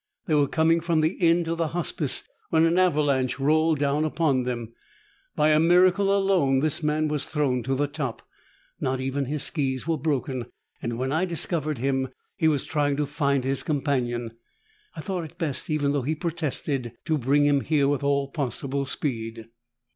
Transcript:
"They were coming from the inn to the Hospice when an avalanche rolled down upon them. By a miracle alone, this man was thrown to the top. Not even his skis were broken, and when I discovered him, he was trying to find his companion. I thought it best, even though he protested, to bring him here with all possible speed."